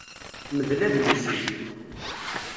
Mdel adlis-ik